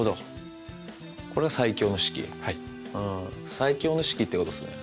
最強の式ってことっすね。